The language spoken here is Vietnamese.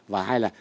và hai là